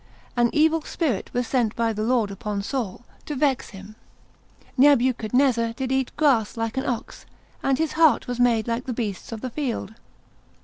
An evil spirit was sent by the Lord upon Saul, to vex him. Nebuchadnezzar did eat grass like an ox, and his heart was made like the beasts of the field.